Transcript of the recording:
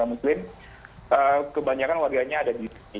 karena negara negara muslim kebanyakan warganya ada di sini